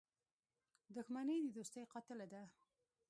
• دښمني د دوستۍ قاتله ده.